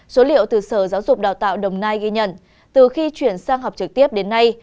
số liệu từ sở giáo dục đào tạo đồng nai ghi nhận từ khi chuyển sang học trực tiếp đến nay